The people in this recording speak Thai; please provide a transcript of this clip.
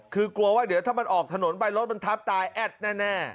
คือกลัวว่าเดี๋ยวถ้ามันออกถนนไปรถมันทับตายแอดแน่